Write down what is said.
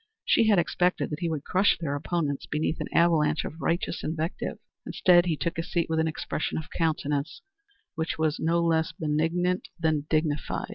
She had expected that he would crush their opponents beneath an avalanche of righteous invective. Instead he took his seat with an expression of countenance which was no less benignant than dignified.